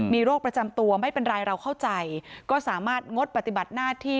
มีโรคประจำตัวไม่เป็นไรเราเข้าใจก็สามารถงดปฏิบัติหน้าที่